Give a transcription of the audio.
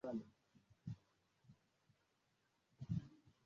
wa Lugalo Katika mwezi wa saba mwaka elfu moja mia nane tisini na moja